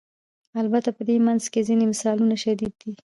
البته په دې منځ کې ځینې مثالونه شدید دي.